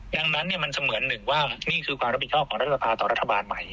ดังนั้นมันเสมือนหนึ่งว่านี่คือความรับผิดชอบของรัฐสภาต่อรัฐบาลใหม่